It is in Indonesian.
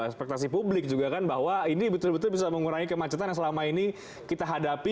ekspektasi publik juga kan bahwa ini betul betul bisa mengurangi kemacetan yang selama ini kita hadapi